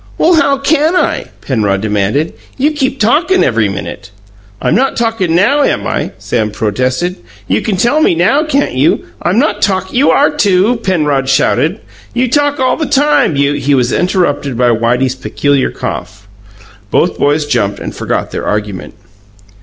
"Well, how can I?" Penrod demanded. "You keep talkin' every minute." "I'm not talkin' NOW, am I?" Sam protested. "You can tell me NOW, can't you? I'm not talk " "You are, too!" Penrod shouted. "You talk all the time! You " He was interrupted by Whitey's peculiar cough. Both boys jumped and forgot their argument.